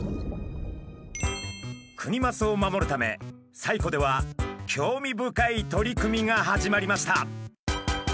クニマスを守るため西湖では興味深い取り組みが始まりました。